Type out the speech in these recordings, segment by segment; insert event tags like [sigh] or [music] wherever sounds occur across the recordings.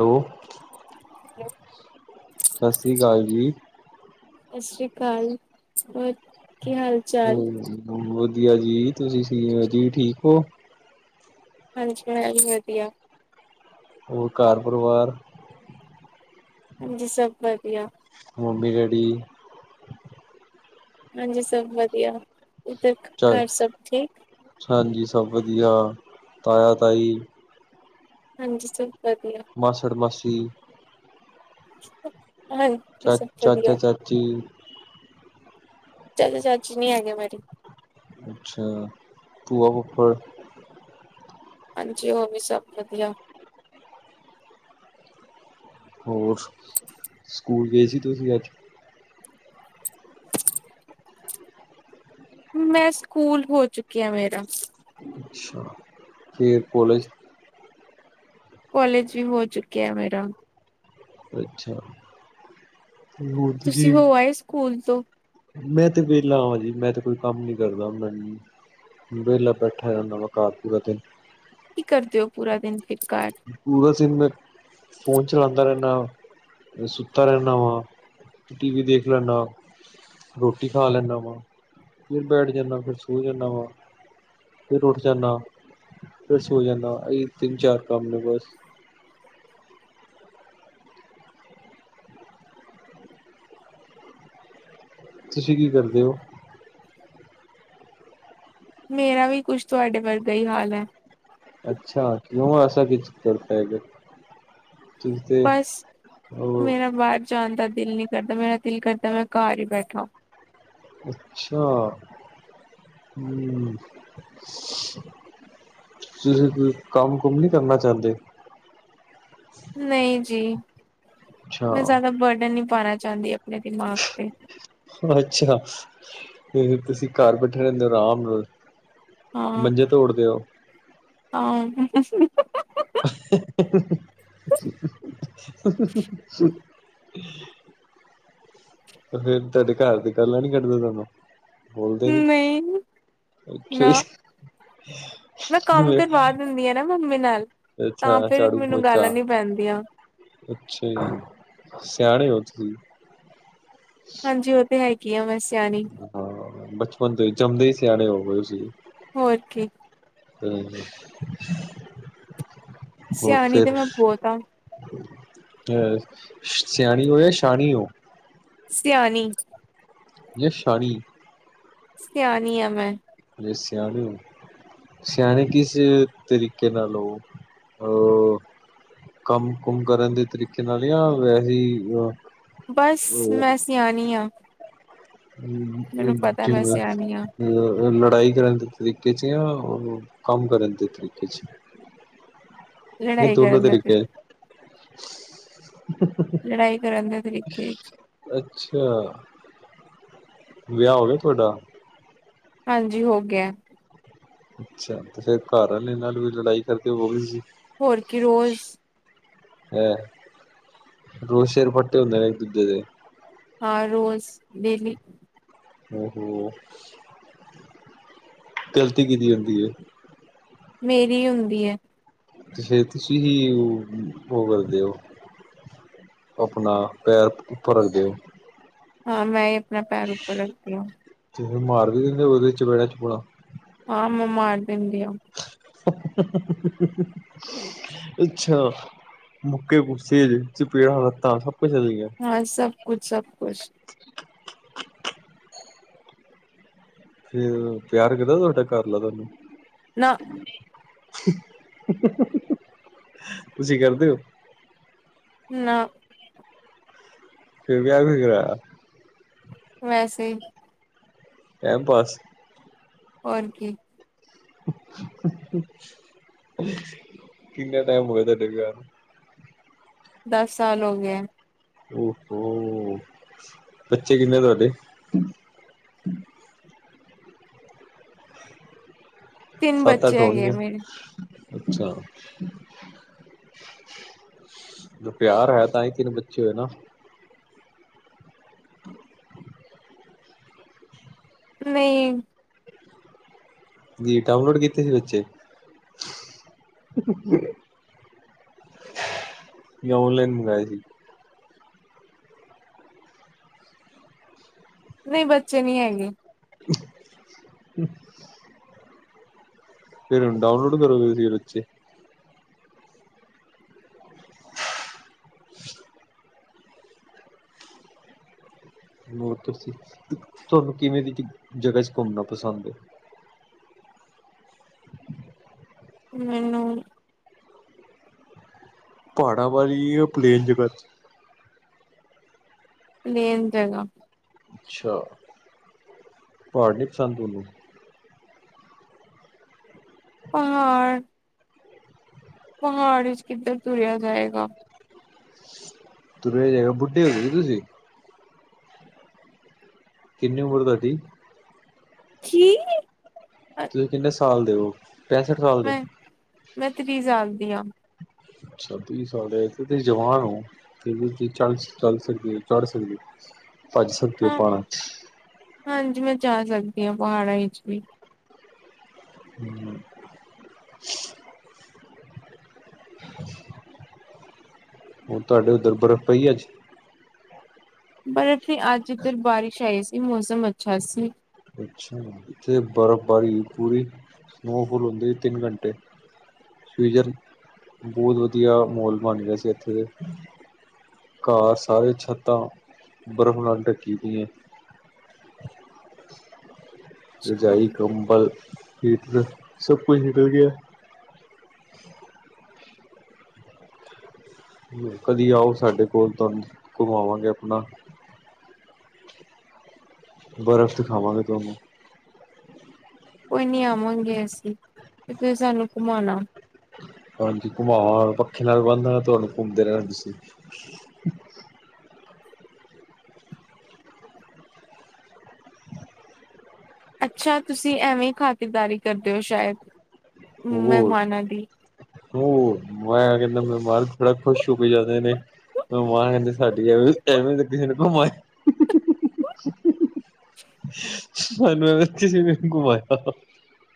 Hello, [inaudible] hello ਸਤਿ ਸ਼੍ਰੀ ਅਕਾਲ ਜੀ, ਸਤਿ ਸ਼੍ਰੀ ਅਕਾਲ ਹੋਰ ਕੀ ਹਾਲ ਚਾਲ ਹੂੰ ਵਧੀਆ ਜੀ। ਤੁਸੀਂ ਸਹੀ ਓ ਜੀ ਠੀਕ ਹੋ ਹਾਂਜੀ ਮੈਂ ਵੀ ਵਧੀਆ ਹੋਰ ਘਰ ਪਰਿਵਾਰ ਹਾਂਜੀ ਸਭ ਵਧੀਆ ਮੰਮੀ-ਡੈਡੀ। ਹਾਂਜੀ ਸਭ ਵਧੀਆ। ਇਧਰ ਚ ਘਰ ਸਭ ਠੀਕ। ਹਾਂਜੀ ਸਭ ਵਧੀਆ, ਤਾਇਆ ਤਾਈ। ਹਾਂਜੀ ਸਭ। ਵਧੀਆ ਮਸੜ ਮਾਸੀ ਠੀਕ ਹਾਂਜੀ ਚ ਸਭ ਚਾਚਾ-ਚਾਚੀ। ਚਾਚਾ-ਚਾਚੀ ਨੀ ਹੈਗੇ ਮੇਰੇ ਅੱਛਾ ਭੂਆ-ਫੁੱਫੜ ਹਾਂਜੀ, ਉਹ ਵੀ ਸਭ ਵਧੀਆਂ। ਹੋਰ, ਸਕੂਲ ਗਏ ਸੀ ਤੁਸੀਂ ਅੱਜ? ਮੈਂ ਸਕੂਲ ਹੋ ਚੁੱਕਿਆ ਮੇਰਾ। ਅੱਛਾ ਫੇਰ ਕੋਲੇਜ ਕਾਲੇਜ ਵੀ ਹੋ ਚੁੱਕਿਆ ਮੇਰਾ। ਅੱਛਾ। ਤੁਸੀਂ ਹੋ ਆਏ ਸਕੂਲ ਤੋਂ। ਮੈਂ ਤੇ ਵਿਹਲਾ ਜੀ, ਮੈਂ ਤੇ ਕੋਈ ਕੰਮ ਨੀ ਕਰਦਾ ਮੈਂ ਵਿਹਲਾ ਬੈਠਾ ਰਹਿੰਦਾ ਵਾ ਘਰ ਪੂਰਾ ਦਿਨ। ਕੀ ਕਰਦੇ ਹੋ ਪੂਰਾ ਦਿਨ? ਫਿਰ ਘਰ ਪੂਰਾ ਦਿਨ ਮੈਂ ਫੋਨ ਚਲਾਉਂਦਾ ਰਹਿੰ ਸੁੱਤਾ ਰਹਿੰਦਾ ਵਾਂ, ਟੀ ਵੀ ਦੇਖ ਲੈਣਾ, ਰੋਟੀ ਖਾ ਲੈਣਾ ਵਾਂ ਫਿਰ ਬੈਠ ਜਾਂਦਾ, ਫਿਰ ਸੋ ਜਾਂਦਾ ਵਾਂ, ਫਿਰ ਉੱਠ ਜਾਣਾ, ਫਿਰ ਸੋ ਜਾਣਾ ਵ ਅਹੀ ਤਿੰਨ ਚਾਰ ਕੰਮ ਨੇ ਬਸ ਤੁਸੀਂ ਕੀ ਕਰਦੇ ਹੋ? ਮੇਰਾ ਵੀ ਕੁੱਝ ਤੁਹਾਡੇ ਵਰਗਾ ਹੀ ਹਾਲ ਹੈ। ਅੱਛਾ, ਕਿਉਂ ਐਸਾ ਕੀ ਕਰਤਾ ਹੈਗਾ। ਤੁਸੀਂ ਤੇ ਬਸ, ਉਹ ਮੇਰਾ ਬਾਹਰ ਜਾਣਦਾ ਦਿਲ ਨਹੀਂ ਕਰਦਾ, ਮੇਰਾ ਦਿਲ ਕਰਦਾ ਮੈਂ ਘਰ ਹੀ ਬੈਠਾ। ਅੱਛਾ, ਹੁੰ ਤੁਸੀ ਕੋਈ ਕੰਮ ਕੁੰਮ ਨੀ ਕਰਨਾ ਚਾਹੁੰਦੇ। ਨਹੀਂ ਜੀ। ਅੱਛਾ ਮੈਂ ਜ਼ਿਆਦਾ ਬਰਡਨ ਨੀ ਪਾਣਾ ਚਾਂਹਦੀ ਆਪਣੇ ਦਿਮਾਗ ਤੇ ਅੱਛਾ, ਹ ਤੁਸੀਂ ਘਰ ਬੈਠੇ ਰਹਿੰਦੇ ਹੋ ਆਰਾਮ ਨਾਲ। ਹਾਂ ਮੰੰਜੇ ਤੋੜਦੇ ਉਹ [unintelligible] ਫਿਰ ਤੁਹਾਡੇ ਘਰ ਦੀ ਗਾਲਾਂ ਨੀ ਕੱਢਦੇ ਤੁਹਾਨੂੰ। ਬੋਲਦੇ ਨਹੀ, ਨਹੀਂ ਅੱਛਾ ਨਾ ਜੀ ਮੈਂ ਮ ਕੰਮ ਕਰਵਾ ਦਿੰਦੀ ਆ ਨਾ ਮੰਮੀ ਨਾਲ ਅੱਛਾ, ਤਾਂ ਫਿਰ ਝਾੜੂ ਮੈਨੂੰ ਪੋਚਾ ਗਾਲਾਂ ਨੀ ਪੈਂਦੀਆਂ ਅੱਛਾ ਸਿਆਣੇ ਹੋ ਤੁਸ ਹੂ [unintelligible] ਹਾਂਜੀ ਉਹ ਤੇ ਹੈ ਈ- ਹਾਂ, ਬਚਪਨ ਤੋਂ ਜੰਮਦੇ ਈ ਸਿਆਣੇ ਹੋ- ਹੋਏ ਸੀ। ਹੋਰ ਕੀ ਹੂੰ, ਸਿਆਣੀ ਤੇ ਮੈਂ ਬਹੁਤ ਆ। ਏ ਸਿਆਣੀ ਹੋ ਜਾਂ ਛਾਣੀ ਹੋ। ਸਿਆਣੀ। ਜਾ ਛਾਣੀ ਸਿਆਣੀ ਆ ਮੈਂ। ਜੇ ਸਿਆਣੇ ਹੋ, ਸਿਆਣੇ ਕਿਸ ਤਰੀਕੇ ਨਾਲ ਓ ਆ ਕੰਮ ਕੁੰਮ ਕਰਨ ਦੇ ਤਰੀਕੇ ਨਾਲ ਜਾਂ ਵੈਏ ਈ- ਬਸ ਮੈਂ ਸਿਆਣੀ ਆ। ਮੈਨੂੰ ਪਤਾ ਮੈਂ ਸਿਆਣੀ ਆ [unintelligible] ਲੜਾਈ ਕਰਨ ਦੇ ਤਰੀਕੇ ਚ, ਜਾਂ ਕੰਮ ਕਰਨ ਦੇ ਤਰੀਕੇ ਚ। ਜਾ ਲੜਾਈ ਦੋਨੋ ਕਰਨ ਦਾ ਤਰੀਕੇ ਚ ਲੜਾਈ ਕਰਨ ਦੇ ਤਰੀਕੇ 'ਚ। ਅੱਛਾ। ਵਿਆਹ ਹੋ ਗਿਆ ਤੁਹਾਡਾ। ਹਾਂਜੀ ਹੋ ਗਿਆ। ਅੱਛਾ ਤੇ ਫੇਰ ਘਰ ਆਲੇ ਨਾਲ ਵੀ ਲੜਾਈ ਕਰਦੇ ਹੋਵੋਗੇ ਤੁਸੀਂ ਹੋਰ ਕੀ ਰੋਜ਼ ਐ ਰੋਜ਼ ਸਿਰ ਫੱਟੇ ਹੁੰਦੇ ਇਕ- ਦੂਜੇ ਦੇ ਹਾਂ, ਰੋਜ਼ ਡੇਲੀ ਓਹੋੋ ਗਲਤੀ ਕੀਹਦੀ ਹੁੰਦੀ ਏ। ਮੇਰੀ ਹੁੰਦੀ ਏ। ਤੇ ਫੇਰ ਤੁਸੀਂ ਹੀ ਉ ਉਹ ਕਰਦੇ ਓ, ਆਪਣਾ ਪੈਰ ਉੱਪਰ ਰੱਖਦੇ ਓ। ਹਾਂ ਮੈਂ ਮੈਂ ਪੈਰ ਉੱਪਰ ਰੱਖਦੀ ਆਂ। ਫੇਰ ਮਾਰ ਵੀ ਦਿੰਦੇ ਉਹਦੇ, ਚਪੇੜਾ, ਚਪੂੜਾਂ। ਹਾਂ, ਮੈ, ਮਾਰ ਦਿੰਦੀ ਆ। ਆਹ ਹਾਹਾ-ਅੱਛਾ। ਮੁੱਕੇ, ਗੁੱਸੇ'ਚ, ਚਪੇੜਾ, ਲੱਤਾਂ ਸਬ ਹਾਂ, ਸਭ ਕੁਛ -ਸਭ ਕੁਛ। ਫੇਰ, ਪਿਆਰ ਕਰਦਾ ਤੁਆਡਾ ਘਰਆਲਾ ਤੂਹਾਨੂੰ? ਨਾ। ਹਾਹਾ-ਤੁਸੀਂ ਕਰਦੇ ਹੋ? ਨਾ ਫੇਰ, ਵਿਆ ਕਿਓ ਕਰਾਇਆ। ਵੈਸੇ ਈ। ਟੈਮ-ਪਾਸ। ਹੋਰ ਕੀ। ਹੂ, ਹੂ-ਹਾਅ ਕਿੰਨਾ ਟੈਮ ਹੋ ਗਿਆ, ਤਾਡੇ ਵਿਆਹ ਨੂੰ? ਦਸ ਸਾਲ ਹੋ ਗਏ। ਬੱਚੇ ਕਿੰਨੇ ਤੁਹਾਡੇ‌। ਤਿੰਨ ਸੱਤ ਬੱਚੇ, ਅੱਠ ਹੈਗੇ ਹੋਣਗੇ ਆ ਮੇਰੇ। ਅੱਛਾ। ਜੋ ਪਿਆਰ ਹੈ, ਤਾਂ ਹੀ ਤਿੰਨ ਬੱਚੇ ਹੋਏ ਨਾ। ਨਹੀਂ। ਜੀ ਡਾਊਨਲੋਡ ਕੀਤੇ ਸੀ ਬੱਚੇ, ਯਾ ਓਨਲਾਈਨ ਮੰਗਵਾਏ ਸੀ। ਨਹੀਂ, ਬੱਚੇ ਨਹੀ ਹੈਗੇ। ਹਮ ਫਿਰ, ਹੁਣ ਡਊਨਲੋਡ ਕਰੋਗੇ ਤੁਸੀ ਬੱਚੇ। ਹੋਰ, ਤੁਸੀਂ ਤੁਹਾਨੂੰ ਕਿਵੇਂ ਦੀ ਜਗ੍ਹਾ ' ਘੁੰਮਣਾ ਪਸੰਦ ਹ, ਮੈਂਨੂੰ। ਪਹਾੜਾਂ ਵਾਲੀ, ਪਲੇਨ ਜ੍ਹਾ ਪਲੇਨ ਜਗ੍ਹਾ ਅੱਛਾ। ਪਹਾੜ ਨੀ ਪਸੰਦ ਤੁਹਾਨੂੰ। ਪਹਾੜ। ਪਹਾੜੀ ਚ ਕਿੱਧਰ ਤੁਰਿਆ ਜਾਏਗਾ ਤੁਰਿਆ ਜਾਏਗਾ ਬੁੱਢੇ ਹੋਗੇ ਹੋ ਕਿ, ਤੁਸੀਂ ਕਿੰਨੀ ਉਮਰ ਤੁਹਾਡੀ? ਛੀ ਤੁਸੀਂ ਕਿੰਨ ਸਾਲ ਦੇ ਓ। ਪੈਂਸਠ ਸਾਲ ਦੇ ਮੈਂ ਮੈਂ, ਤ੍ਰੀ ਸਾਲ ਦੀ ਹਾਂ। ਅੱਛਾ ਤ੍ਰੀ ਸਾਲ ਫੇਰ ਤੇ, ਜਵਾਨ ਹੋ ਫੇਰ ਤੇ, ਚੱਲ ਸਕਦੇ ੳ, ਤੁਰ ਸਕਦੇ ੳ। ਭੱਜ, ਸਕਦੇ ਓ ਹਾਂ ਪਹਾੜਾ ਚ। ਹਾਂਜੀ, ਮੈਂ ਜਾ ਸਕਦੀ ਹਾਂ, ਪਹਾੜਾਂ ਵਿੱਚ ਵੀ। ਹੁ, ਤੁਹਾਡੇ ਉੱਧਰ ਬਰਫ਼ ਪਈ ਅੱਜ। ਬਰਫ ਨਹੀਂ, ਅੱਜ ਇੱਧਰ ਬਾਰਿਸ਼ ਆਈ ਸੀ, ਮੌਸਮ ਅੱਛਾ ਸੀ। ਅੱ ਇਥੇ ਬਰਫ਼ਬਾਰੀ ਪੂਰੀ ਸਨੋਫਾਲ ਹੁੰਦੀ, ਤਿੰਨ ਘੰਟੇ ਸੀਜ਼ਨ ਬਹੁਤ ਵਧੀਆ ਮਹੋਲ ਬਣ ਗਿਆ ਸੀ ਇੱਥੇ ਦੇ ਘਰ ਸਾਰੇ ਛੱਤਾਂ ਬਰਫ਼ ਨਾਲ ਢੱਕੀ ਗਈਆਂ। ਅੱਛਾ, ਰਜਾਈ, ਕੰਬਲ ਹੀਟਰ ਸਭ ਕੁਛ ਨਿਕਲ ਗਿਆ ਹੈ ਕਦੀ ਆਓ ਸਾਡੇ ਕੋਲ ਤੁਹਾਨੂੰ ਘੁਮਾਵਾਂਗੇ ਆਪਣਾ ਬਰਫ਼ ਦਿਖਾਵਾਂਗੇ ਤੁਹਾਨੂੰ ਕੋਈ ਨੀ ਆਵਾਂਗੇ ਅਸੀਂ ਤੇ ਫ ਸਾਨੂੰ ਘੁਮਾਣਾ ਹਾਂਜੀ ਘੁਮਾਵੰਗਾ ਪੱਖੇ ਨਾਲ ਬਣ ਦਾਨਗਾ ਤੁਹਾਨੂੰ ਘੁੰਮਦੇ ਰਹਿਣਾ ਤੁਸੀਂ ਅੱਛਾ ਤੁਸੀਂ ਐਵੇਂ ਖਾਤਿਰਦਾਰੀ ਕਰਦੇ ਹੋ ਸ਼ਾਇਦ ਹ ਮਹਿਮਾਨਾਂ ਦੀ ਮਾ ਕਹਿੰਦਾ ਮਹਿਮਾਨ ਥੋੜ੍ਹਾ ਖੁਸ਼ ਹੋ ਕੇ ਜਾਂਦੇ ਨੇ ਮਹਿਮਾਨ ਕਹਿੰਦੇ ਸਾਡੀ ਐਵੇ ਐਵੇਂ ਕਿਸੇ ਨੇ ਘਮਾਇਆ [inaudible] [inaudible] ਕਿਸੇ ਨੇ ਨਹੀਂ ਘੁਮਾਇਆ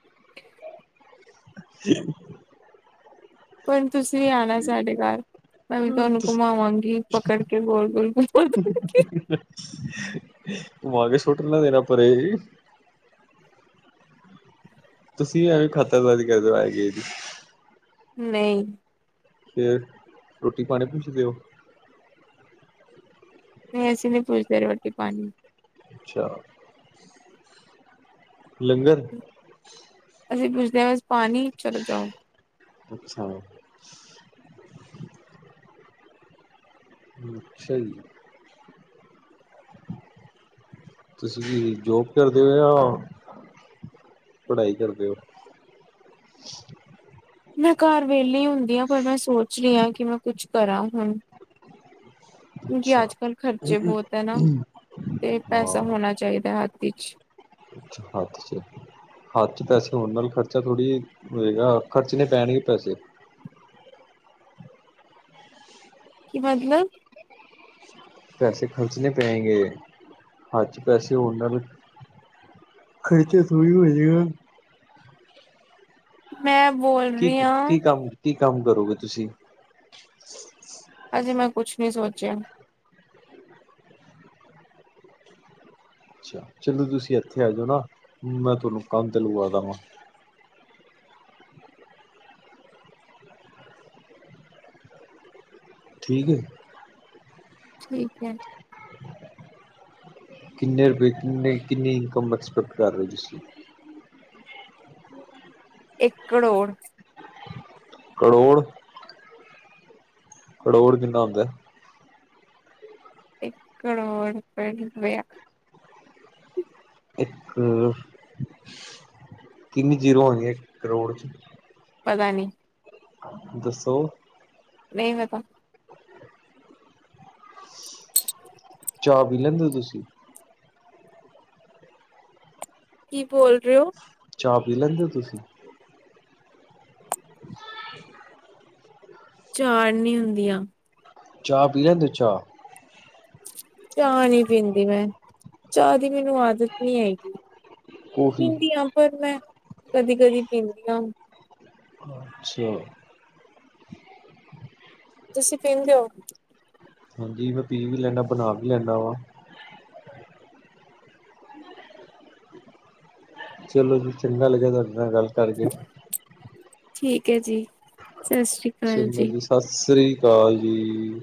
[unintelligible] [inaudible] ਹੁਣ ਤੁਸੀਂ ਵੀ ਆਉਣਾ ਸਾਡੇ ਘਰ ਮੈਂ ਵੀ ਤੁਹਾਨੂੰ ਘੁਮਾਵਾਂਗੀ ਪਕੜ ਕੇ ਗੋਲ ਗੋਲ ਘੁਮੋ ਭੁਆਂ ਕੇ ਸੁੱਟ ਨਾ ਦੇਣਾ ਦੇਣਾ ਪਰੇ ਤੁਸੀਂ ਐਵੇਂ ਖਤਰਵਾਦੀ [inaudible] ਕਦੋ ਆਏ ਗ ਜ ਨਹੀਂ- ਫਿਰ ਰੋਟੀ ਪਾਣੀ ਪੁੱਛਦੇ ਓ। ਨਹੀਂ ਐਸੀ ਨਹੀਂ ਪੂਛਦੇ ਰੋਟੀ ਪਾਣੀ ਅੱਛਾ- ਲੰਗਰ- ਅਸੀਂ ਪੁੱਛਦੇ ਹਾਂ- ਪਾਣੀ ਚੱਲ ਜਾਓ ਅੱਛਾ [unintelligible] ਸਹੀ- ਤੁਸੀਂ ਜੋਬ ਕਰਦੇ ਓ। ਜਾਂ ਪੜ੍ਹਾਈ ਕਰਦੇ ਓ। ਮੈਂ ਘਰ ਵਿਹਲੀ ਹੁੰਦੀ ਹਾਂ ਪਰ ਮੈਂ ਸੋਚ ਲ ਰਹੀ ਆ ਕਿ ਮੈਂ ਕੁਛ ਕਰਾਂ ਕਿਉਂਕਿ ਅੱਛਾ ਅੱਜ ਕੱਲ੍ਹ ਖਰਚੇ ਬਹੁਤ ਏ ਨਾ ਤੇ ਪੈਸਾ ਹੋਣਾ ਚਾਹੀਦਾ ਹੈੱ। ਅੱਛੀ ਅੱਛਾਹੱਥ ਵਿਚਪੈਸੇ ਹੋਣ ਨਾਲ ਖਰਚਾ ਥੋੜ੍ਹੀ ਹੋਏਗਾ ਖਰਚਣੇ ਪੈਣਗੇ ਪੈਸੇ ਕੀ ਮਤਲਬ ਪੈਸੇ ਖਰਚਣੇ ਪੈਗੇ ਹੱਥ ਵਿੱਚ ਪੈਸੇ ਹੋਣ ਨਾਲ ਖਰਚਾ ਥੋੜੀ ਹੋ ਜਾਏਗਾ। ਮੈਂ ਬੋਲ ਕੀ ਰਹੀ ਹਾਂ ਕੀ ਕੰਮ ਕੀ ਕੰਮ ਕਰੋਗੇ ਤੁਸੀਂ ਮੈਂ ਕੁੱਛ ਨੀ ਸੋਚਿਆ ਅੱਛਾ ਚਲੋ ਤੁਸੀਂ ਇੱਥੇ ਆ ਜਾਓ ਨਾ ਮੈਂ ਤੁਹਾਨੂੰ ਕੰਮ ਤੇ ਲਗਵਾ ਦੇਵਾਂਗਾ। ਠੀਕ ਹੈ। ਠੀਕ ਹੈ। ਕਿੰਨੇ ਰੁਪਏ ਕਿੰਨੇ ਇਨਕਮ ਐਕਸਪੈਕਟ ਕਰ ਰਹੇ ਤੁਸੀਂ ਇੱਕ ਕਰੋੜ ਕਰੋੜ- ਕਰੋੜ ਕਿਨਾ ਹੁੰਦਾ। ਇੱਕ ਕਰੋੜ ਰੁਪਏ ਰੁਪਇਆ ਇੱਕ ਕਿੰਨੀ ਜੀਰੋ ਆਦੀਆਂ ਇੱਕ ਕਰੋੜ ਚ ਪਤਾ ਨੀ ਦੱਸੋ? ਨਹੀਂ ਪਤਾ, ਚਾਹ ਪੀ ਲੈਂਦੇ ਹੋ ਤੁਸੀਂ? ਕੀ ਬੋਲ ਰਹੇ ਹੋ, ਚਾਹ ਪੀ ਲੈਂਦੇ ਹੋ ਤੁਸੀਂ? ਝਾੜ ਨੀ ਹੁੰਦੀਆ। ਚਾਹ ਪੀ ਲੈਂਦੇ ਔ ਚਾਹ ਚਾਹ ਨੀ ਪੀਂਦੀ ਮੈਂ ਚਾਹ ਦੀ ਮੈਨੂੰ ਆਦਤ ਨੀ ਹੈਗੀ। ਕੌਫੀ ਪਿੰਦੀ ਆ ਪਰ ਮੈਂ ਕਦੀ-ਕਦੀ ਪੀਂਦੀ ਆਂ ਅੱਛਾ, ਤੁਸੀਂ ਪਿਦੇ ਔ। ਹਾਂਜੀ ਮੈਂ ਪੀ ਵੀ ਲੈਨਾ, ਬਣਾ ਵੀ ਲੈਂਨਾ ਵਾ। ਚਲੋ ਫਿਰ ਚੰਗਾ ਲੱਗਿਆ ਤੁਹਾਡੇ ਨਾਲ ਗੱਲ ਕਰਕੇ। ਠੀਕ ਐ ਜੀ। ਸਤਿ ਸ੍ਰੀ ਅਕਾਲ ਚੰਗਾ ਜੀ ਸਾਸਰੀ ਕਾਲ ਹੂੰ,